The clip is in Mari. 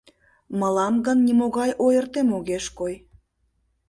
Мылам гын нимогай ойыртем огеш кой.